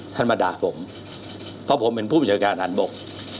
ท่านมาด่าผมเพราะผมเป็นผู้บุจจัยการหันบก